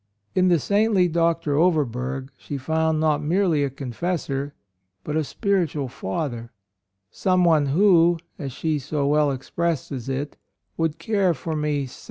In the saintly Dr. Overberg she found not merely a confessor, but a spiritual father, — "some one who," as she so well expresses it, "would care for me suf AND MOTHER.